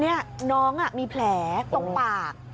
นี่น้องมีแผลตรงปาก